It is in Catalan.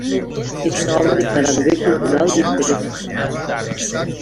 És una obra declarada Bé Cultural d'Interès Nacional.